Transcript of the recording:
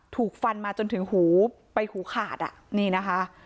ถูกฟันมาจนถึงหูไปหูขาดอ่ะนี่นะคะ